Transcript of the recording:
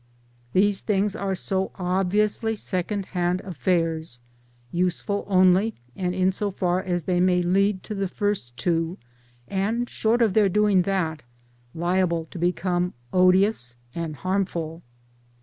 These things are so obviously second hand affairs, useful only and in so, far as they, may lead to the first two, and short of their doing; that liable to become odious and harmful.